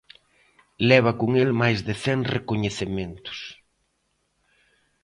Leva con el máis de cen recoñecementos.